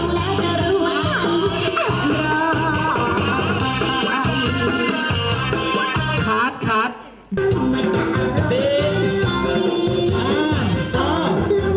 มาเสียสักคำว่าจะเอาไหล่เข้าไหล่